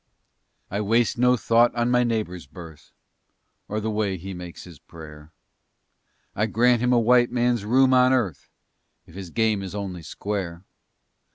I waste no thought on my neighbor's birth Or the way he makes his prayer. I grant him a white man's room on earth If his game is only square.